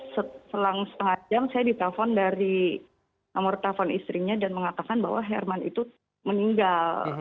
selang setengah jam saya ditelepon dari nomor telepon istrinya dan mengatakan bahwa herman itu meninggal